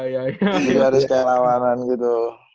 jadi harus kayak lawanan gitu